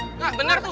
hah bener tuh